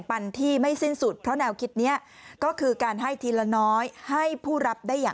ไปเดี๋ยวฟังเสียงเขาหน่อยไหมครับ